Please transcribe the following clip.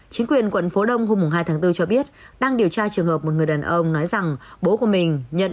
chính quyền quận phú đông hôm hai tháng bốn cho biết đang điều tra trường hợp một người đàn ông nói rằng bố của mình nhận